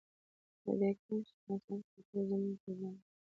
د دې کښت حاصل قاتل زموږ د ځان دی